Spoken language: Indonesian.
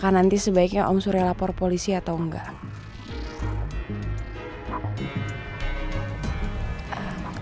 apakah nanti sebaiknya om surya lapor polisi atau enggak